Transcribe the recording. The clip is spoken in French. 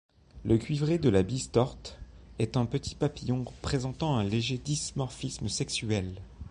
Le Cuivré de la bistorte est un petit papillon présentant un léger dimorphisme sexuel.